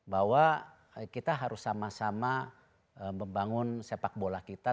bahwa kita harus sama sama membangun sepak bola kita